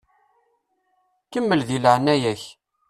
Kemmel di leɛnaya-k!